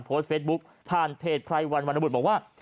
โพสต์เฟซบุ๊คผ่านเพจไพรวันวรรณบุตรบอกว่า